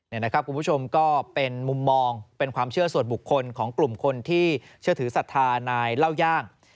นี่นะครับคุณผู้ชมก็เป็นมุมมองเป็นความเชื่อส่วนบุคคลของกลุ่มคนที่เชื่อถือศรัทธานายเล่าย่าง